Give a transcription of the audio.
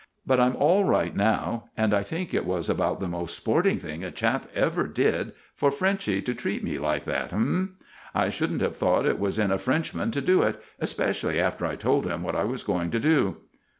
But I'm all right now, and I think it was about the most sporting thing a chap ever did for Frenchy to treat me like that eh? I shouldn't have thought it was in a Frenchman to do it, especially after I told him what I was going to do."